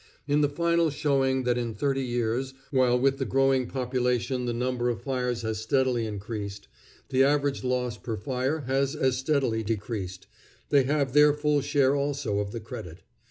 In the final showing that in thirty years, while with the growing population the number of fires has steadily increased, the average loss per fire has as steadily decreased, they have their full share, also, of the credit.